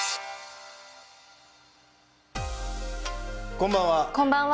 こんばんは。